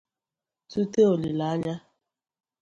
tute olileanya